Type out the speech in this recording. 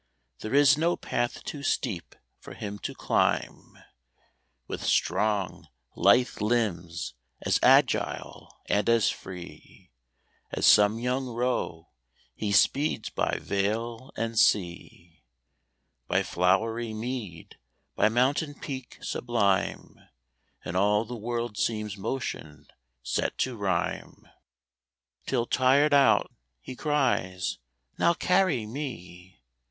There is no path too steep for him to climb. With strong, lithe limbs, as agile and as free, As some young roe, he speeds by vale and sea, By flowery mead, by mountain peak sublime, And all the world seems motion set to rhyme, Till, tired out, he cries, "Now carry me!"